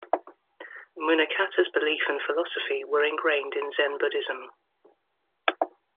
Munakata's belief and philosophy were engrained in Zen Buddhism.